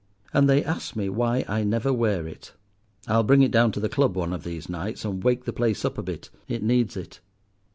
And they ask me why I never wear it. I'll bring it down to the Club one of these nights and wake the place up a bit: it needs it."